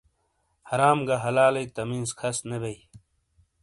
حرام گہ حلالئیی تمیز کھس نے بئیی۔